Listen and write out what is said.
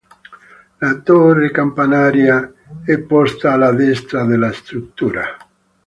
La torre campanaria è posta alla destra della struttura.